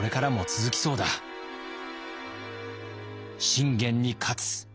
信玄に勝つ。